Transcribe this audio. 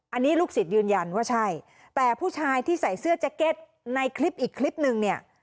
อันนี้ลูกศิษย์ยืนยันว่าใช่แต่ผู้ชายที่ใส่เสื้อแจ็คเก็ตในคลิปอีกคลิปนึงเนี่ย